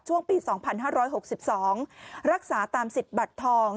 ช่วงปี๒๕๖๒รักษาตามสิทธิ์บัตรทอง